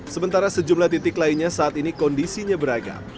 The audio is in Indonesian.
sementara sejumlah titik lainnya saat ini kondisinya beragam